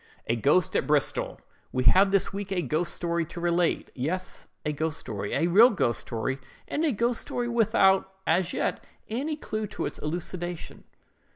"A GHOST AT BRISTOL.—We have this week a ghost story to relate. Yes, a ghost story; a real ghost story, and a ghost story without, as yet, any clew to its elucidation.